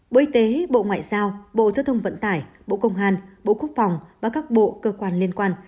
bộ y tế bộ ngoại giao bộ giao thông vận tải bộ công an bộ quốc phòng và các bộ cơ quan liên quan